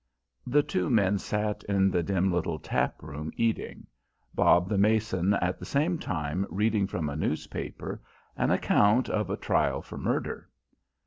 The two men sat in the dim little tap room eating, Bob the mason at the same time reading from a newspaper an account of a trial for murder.